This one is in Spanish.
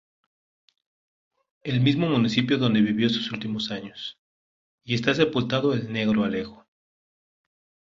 El mismo municipio donde vivió sus últimos años y está sepultado el Negro Alejo.